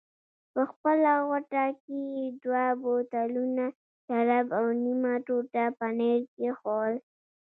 په خپله غوټه کې یې دوه بوتلونه شراب او نیمه ټوټه پنیر کېښوول.